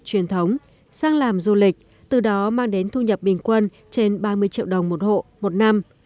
truyền thống sang làm du lịch từ đó mang đến thu nhập bình quân trên ba mươi triệu đồng một hộ một năm